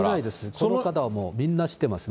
この方はみんな知ってますね。